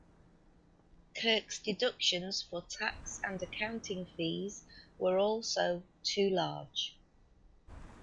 Kirk's deductions for tax and accounting fees were also too large.